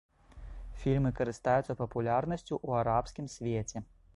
Фільмы карыстаюцца папулярнасцю ў арабскім свеце.